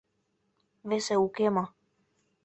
Весе уке мо?